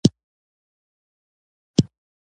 هغه د میلمستون خونې ته ننوتله